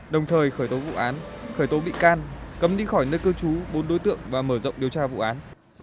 đồng thời khởi tố vụ án khởi tố bị can cấm đi khỏi nơi cư trú bốn đối tượng và mở rộng điều tra vụ án